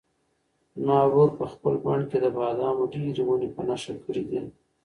زما ورور په خپل بڼ کې د بادامو ډېرې ونې په نښه کړې دي.